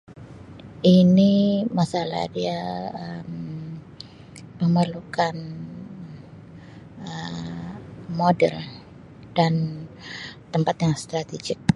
Ini masalah dia Um memerlukan Um modal dan tempat yang strategik.